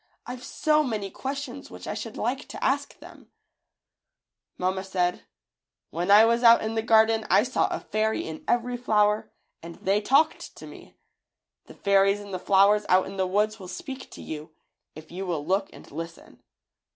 IVe so many questions which I should like to ask them." FLOWER FAIRIES. 87 Mamma said, "When I was out in the gar den I saw a fairy in every flower, and they talked to me. The fairies in the flowers out in the woods will speak to you, if you will look and listen.